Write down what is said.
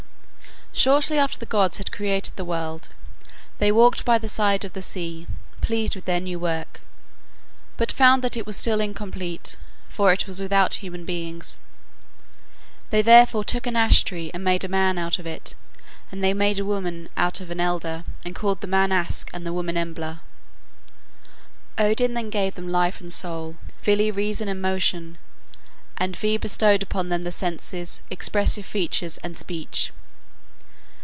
Shortly after the gods had created the world they walked by the side of the sea, pleased with their new work, but found that it was still incomplete, for it was without human beings. They therefore took an ash tree and made a man out of it, and they made a woman out of an elder, and called the man Aske and the woman Embla. Odin then gave them life and soul, Vili reason and motion, and Ve bestowed upon them the senses, expressive features, and speech.